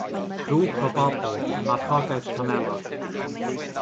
Grŵp o bobl yn marchogaeth camelod.